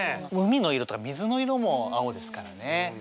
海の色とか水の色も青ですからね。